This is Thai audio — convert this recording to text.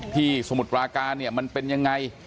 สมุทรปราการเนี่ยมันเป็นยังไง